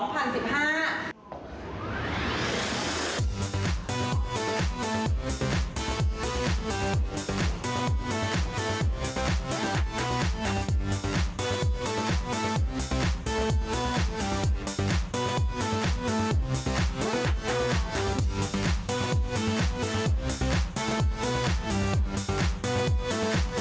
หายหน้าไหนตามไปเป็นปีจริงไม่ได้หายไปไหนนะยังทำงานแต่อยู่ในวงการบันเทิงนี่แหละ